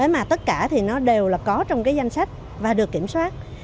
mà tất cả thì nó đều là có trong cái danh sách và được kiểm soát